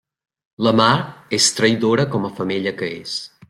La mar és traïdora com a femella que és.